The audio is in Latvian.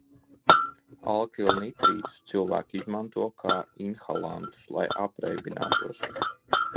Alkilnitrītus cilvēki izmanto kā inhalantus, lai apreibinātos.